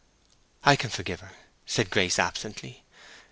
"I can forgive her," said Grace, absently.